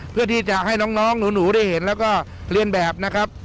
เพื่อที่จะให้น้องหนูได้เห็นแล้วก็เรียนแบบนะครับ